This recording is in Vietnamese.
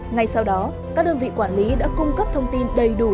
ngay sau đó các đơn vị quản lý đã cung cấp thông tin đầy đủ